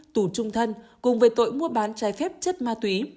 tù trung thân cùng với tội mua bán trái phép chất ma túy